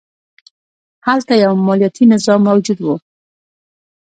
هلته یو مالیاتي نظام موجود و